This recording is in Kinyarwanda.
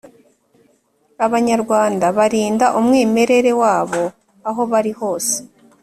Abanyarwanda barinda umwimerere wabo aho bari hose